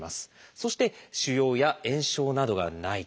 そして腫瘍や炎症などがないと。